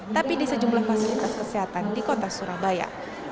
tapi di sejumlah fasilitas kesehatan di kota surabaya